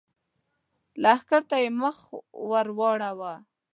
لښکر ته يې مخ ور واړاوه!